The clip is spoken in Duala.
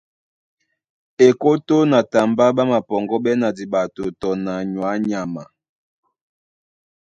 Ekótó na tambá ɓá mapɔŋgɔ́ɓɛ́ na diɓato tɔ na nyɔ̌ á nyama.